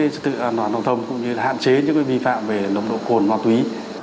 sự an toàn giao thông cũng như hạn chế những vi phạm về nồng độ cồn ma túy